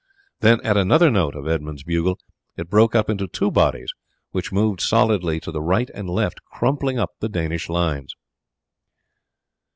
Then at another note of Edmund's bugle it broke up into two bodies, which moved solidly to the right and left, crumpling up the Danish lines.